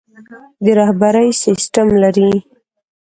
د رهبري سسټم لري.